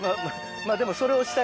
まぁでも。